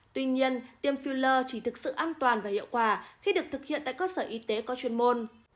tuy nhiên tiêm filler chỉ thực sự an toàn và hiệu quả khi được thực hiện tại cơ sở y tế có chuyên môn